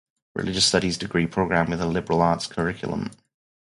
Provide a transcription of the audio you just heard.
Religious Studies degree program with a Liberal Arts curriculum.